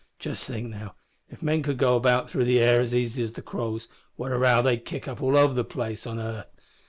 Just think, now, if men could go about through the air as easy as the crows, what a row they'd kick up all over the 'arth!